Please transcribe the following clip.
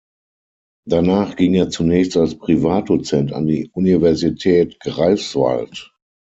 Danach ging er zunächst als Privatdozent an die Universität Greifswald.